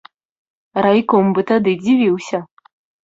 Райком бы тады дзівіўся.